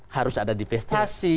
harus ada divestasi